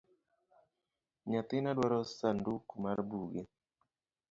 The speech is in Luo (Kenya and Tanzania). Nyathina dwaro sanduk mar buge